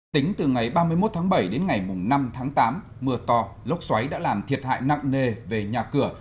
tính từ ngày ba mươi một tháng bảy đến ngày năm tháng tám mưa to lốc xoáy đã làm thiệt hại nặng nề về nhà cửa